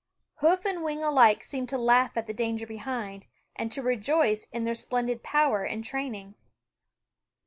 Hoof and wing alike seem to laugh at the danger behind, and to rejoice in their splendid power and training.